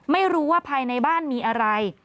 ไม่รู้ว่าภายในบ้านมีอะไร